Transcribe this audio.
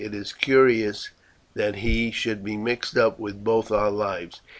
It is curious that he should be mixed up with both our lives.